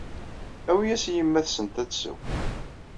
Awi-yas i yemma-tsent ad tsew.